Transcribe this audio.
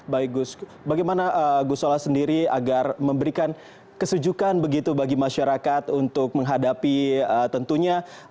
baik gus bagaimana gusola sendiri agar memberikan kesejukan begitu bagi masyarakat untuk menghadapi tentunya